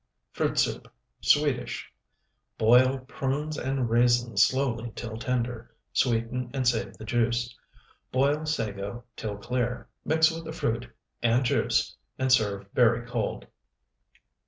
FRUIT SOUP (SWEDISH) Boil prunes and raisins slowly till tender, sweeten and save the juice; boil sago till clear, mix with the fruit and juice, and serve very cold.